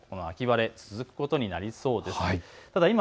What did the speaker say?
あすも秋晴れ、続くことになりそうです。